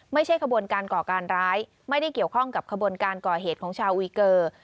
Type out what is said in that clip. ขบวนการก่อการร้ายไม่ได้เกี่ยวข้องกับขบวนการก่อเหตุของชาวอุยเกอร์